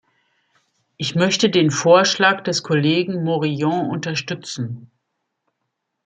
Ich möchte den Vorschlag des Kollegen Morillon unterstützen.